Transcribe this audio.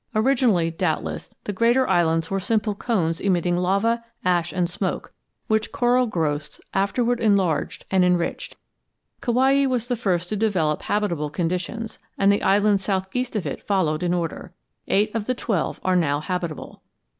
Originally, doubtless, the greater islands were simple cones emitting lava, ash, and smoke, which coral growths afterward enlarged and enriched. Kauai was the first to develop habitable conditions, and the island southeast of it followed in order. Eight of the twelve are now habitable.